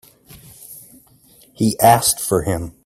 He asked for him.